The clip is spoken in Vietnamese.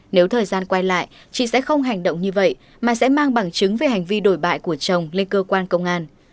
nếu thời gian quay lại chị sẽ không hành động như vậy mà sẽ mang bằng chứng về hành vi đổi bại của chồng lên cơ quan công an